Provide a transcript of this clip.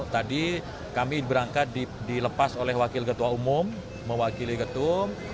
tadi kami berangkat dilepas oleh wakil ketua umum mewakili ketum